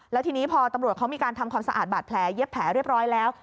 แล้วทีนี้พอตำรวจเขามีการทำความสะอาดบาดแผลเย็บแผลเรียบร้อยแล้ว